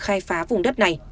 khai phá vùng đất này